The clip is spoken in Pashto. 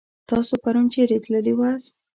تاسو پرون چيرې تللي واست؟